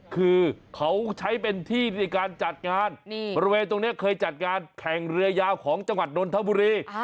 คือเขาใช้เป็นที่ในการจัดงานบริเวณตรงนี้เคยจัดงานแข่งเรือยาวของจังหวัดนนทบุรี